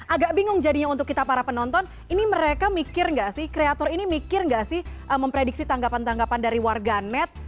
agak bingung jadinya untuk kita para penonton ini mereka mikir nggak sih kreator ini mikir nggak sih memprediksi tanggapan tanggapan dari warga net